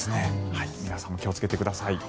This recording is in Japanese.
皆さんも気をつけてください。